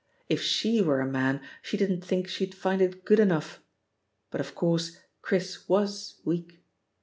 If she were a man, shQ didn't think she'd find it good enough! But of course, Chris was weak.